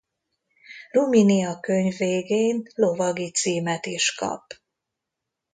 Rumini a könyv végén lovagi címet is kap.